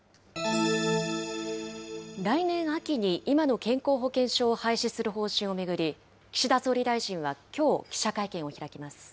来年秋に、今の健康保険証を廃止する方針を巡り、岸田総理大臣はきょう、記者会見を開きます。